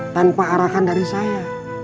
tanpa arakan dari saya